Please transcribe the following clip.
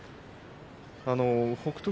北勝